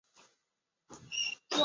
甄辅廷是一名清朝政治人物。